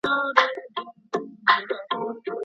ایا واړه پلورونکي کاغذي بادام پروسس کوي؟